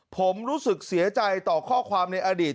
ผมรู้สึกเสียใจต่อข้อความในอดีต